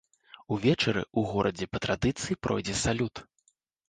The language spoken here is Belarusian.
Увечары ў горадзе па традыцыі пройдзе салют.